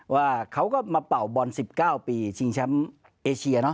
ว่าเขาก็มาเป่าบอล๑๙ปีชิงแชมป์เอเชีย